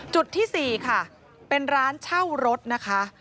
จุดที่๔ค่ะเป็นร้านเช่ารถนะคะ